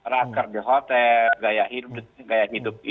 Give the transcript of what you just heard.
raker di hotel gaya hidup